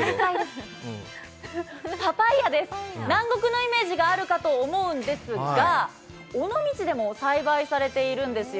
パパイヤです、南国のイメージがあるかと思うんですが尾道でも栽培されているんですよ。